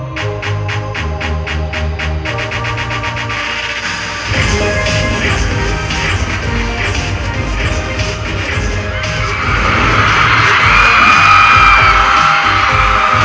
ซึ่งวันนี้เนี่ยมาเมืองไทยตอนนี้จงหยิบอยู่เมืองไทยนานเหมือนกันเนาะ